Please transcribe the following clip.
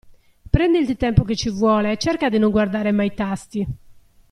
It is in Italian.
Prenditi il tempo che ci vuole e cerca di non guardare mai i tasti.